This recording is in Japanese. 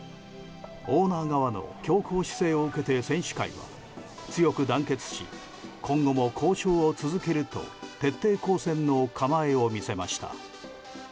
オーナー側の強硬姿勢を受けて選手会は強く団結し今後も交渉を続けると徹底抗戦の構えを見せました。